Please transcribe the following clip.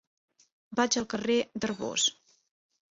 Vaig al carrer d'Arbós.